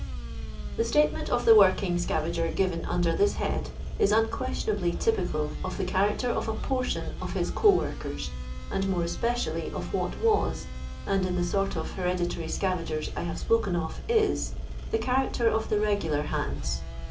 The statement of the working scavager giren under this head is unquestionably typiod of the charac ter of a portion of his co workers, and more especially of what was, and in the sort of here ditary scavagers I have spoken of t>, the cha racter of the regular hands.